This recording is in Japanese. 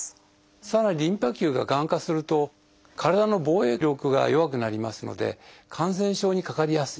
さらにリンパ球ががん化すると体の防衛力が弱くなりますので感染症にかかりやすい。